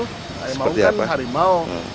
harimau kan harimau